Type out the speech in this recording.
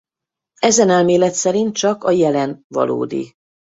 Ezen elmélet szerint csak a jelen valódi.